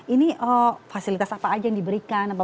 ini fasilitas apa aja yang diberikan